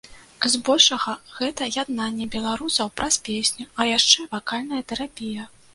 Збольшага гэта яднанне беларусаў праз песню, а яшчэ вакальная тэрапія.